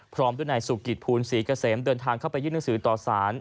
พร้อมด้วยนายสุกิตภูลศรีเกษมเดินทางเข้าไปยื่นหนังสือต่อสาร